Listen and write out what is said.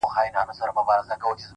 پر کومي لوري حرکت وو حوا څه ډول وه’